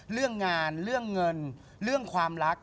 เรื่องงานเรื่องเงินเรื่องความรัก